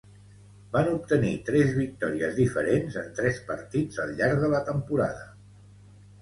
Van obtenir tres victòries diferents en tres partits al llarg de la temporada.